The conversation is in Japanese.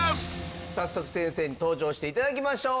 早速先生に登場して頂きましょう。